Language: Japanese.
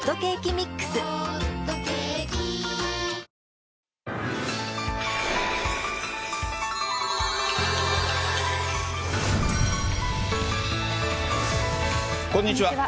一方、こんにちは。